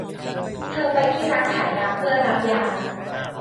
เธอไปที่ร้านขายยาเพื่อรับยา